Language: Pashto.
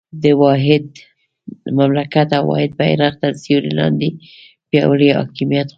د واحد مملکت او واحد بېرغ تر سیوري لاندې پیاوړی حاکمیت غواړو.